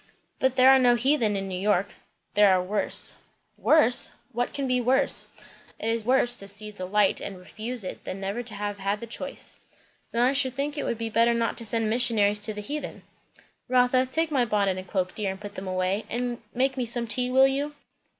"But there are no heathen in New York." "There are worse." "Worse? what can be worse?" "It is worse to see the light and refuse it, than never to have had the choice." "Then I should think it would be better not to send missionaries to the heathen." "Rotha, take my bonnet and cloak, dear, and put them away; and make me some tea, will you?"